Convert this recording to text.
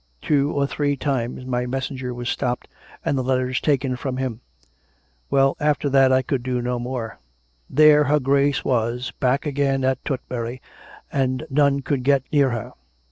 Two or three times my mes senger was stopped, and the letters taken from him. Well; after that time I could do no more. There her Grace was, back again at Tutbury, and none could get near her.